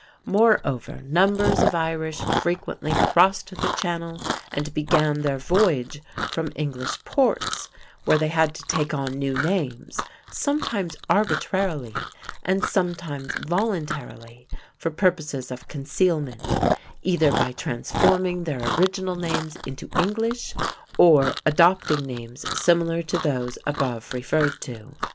Moreover, numbers of Irish frequently crossed the channel and began their voyage from English ports, where they had to take on new names, sometimes arbitrarily, and sometimes voluntarily for purposes of concealment, either by transforming their original names into English or adopting names similar to those above referred to.